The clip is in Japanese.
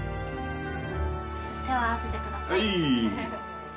手を合わせてください。